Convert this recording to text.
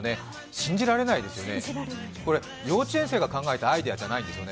信じられないですよね、幼稚園生が考えたアイデアじゃないんですよね。